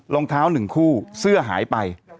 รองเท้า๑คู่เสื้อหายไป